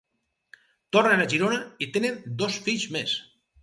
Tornen a Girona i tenen dos fills més.